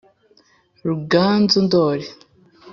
ruganzu ii ndoli